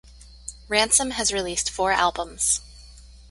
Ransom has released four albums.